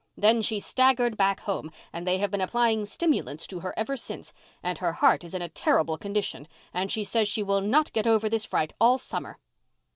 Then she staggered back home and they have been applying stimulants to her ever since, and her heart is in a terrible condition and she says she will not get over this fright all summer."